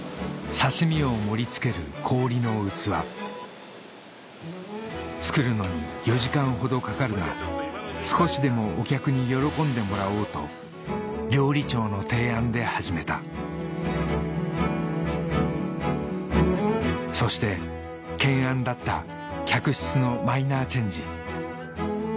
刺し身を盛り付ける氷の器作るのに４時間ほどかかるが少しでもお客に喜んでもらおうと料理長の提案で始めたそして懸案だった客室のマイナーチェンジ